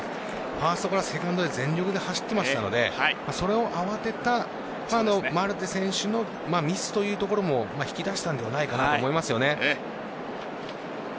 ファーストからセカンドへ全力で走っていましたのでそれを慌てたマルテ選手のミスというところも引き出したのではないかと思います。